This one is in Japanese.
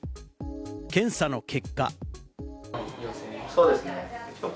検査の結果。